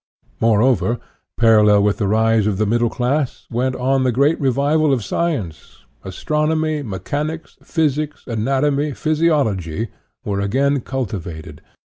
Moreover, parallel with the rise of the middle class went on the great revival of science; as tronomy, mechanics, physics, anatomy, physiol ogy, were again cultivated.